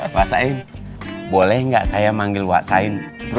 wak sain boleh gak saya manggil wak sain